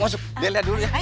masuk dia lihat dulu ya